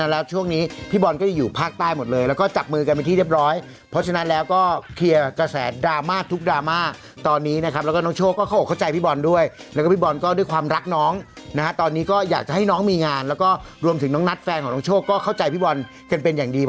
แล้วก็อาทิตย์นี้เพราะฉะนั้นช่วงนี้